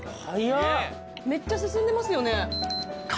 めっちゃ進んでますよね。